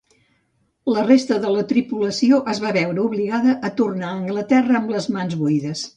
La resta de la tripulació es va veure obligada a tornar a Anglaterra amb les mans buides.